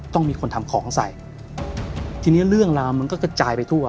ต้องมีคนทำของใส่ทีนี้เรื่องราวมันก็กระจายไปทั่ว